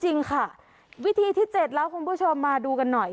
จริงค่ะวิธีที่๗แล้วคุณผู้ชมมาดูกันหน่อย